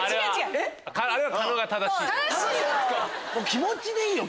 気持ちでいいよ！